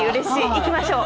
いきましょう。